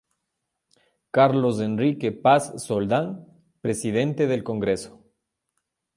Carlos Enrique Paz Soldán, presidente del congreso.